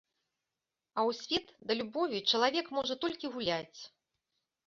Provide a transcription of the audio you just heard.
А ў свет да любові чалавек можа толькі гуляць.